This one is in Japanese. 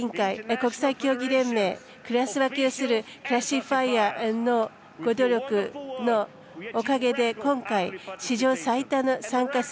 国際競技連盟クラス分けをする方のご努力のおかげで今回、史上最多の参加選